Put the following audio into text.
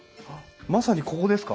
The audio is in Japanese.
まさにここですか？